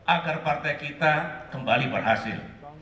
agar partai kita kembali berhasil